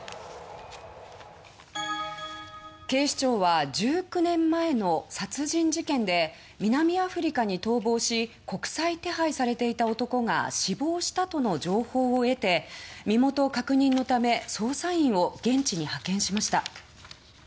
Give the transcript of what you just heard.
警視庁は１９年前の殺人事件で南アフリカに逃亡し国際手配されていた男が死亡したとの情報を得て身元確認のため捜査員を現地に派遣しました。